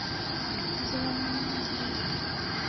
Zighanenyi imbiri.